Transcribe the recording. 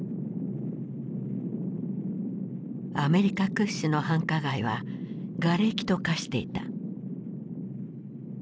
アメリカ屈指の繁華街はがれきと化していた。